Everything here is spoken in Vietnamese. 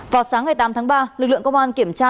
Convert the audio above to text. vào sáng ngày tám tháng ba lực lượng công an kiểm tra